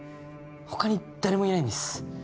他に誰もいないんです。